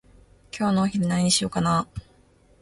今日のお昼何にしようかなー？